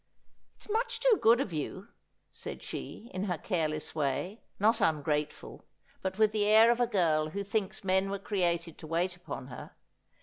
' It's much too good of you,' said she, in her careless way, not ungrateful, but with the air of a girl who thinks men were created to wait upon her.